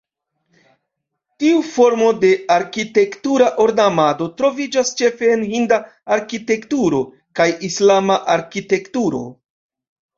Tiu formo de arkitektura ornamado troviĝas ĉefe en Hinda arkitekturo kaj Islama arkitekturo.